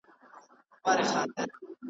د لېوه زوی نه اموخته کېږي .